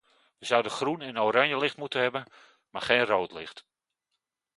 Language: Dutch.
We zouden groen en oranje licht moeten hebben, maar geen rood licht.